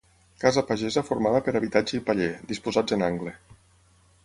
Casa pagesa formada per habitatge i paller, disposats en angle.